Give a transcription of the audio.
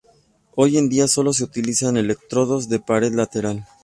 Hoy en día solo se utilizan electrodos de pared lateral.